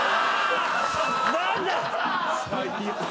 何だ！？